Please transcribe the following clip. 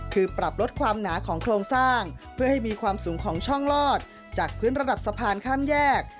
คือปรับลดความหนาของโครงสร้างเพื่อให้มีความสูงของช่องลอดจากพื้นระดับสะพานข้ามแยก